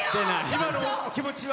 今のお気持ちは。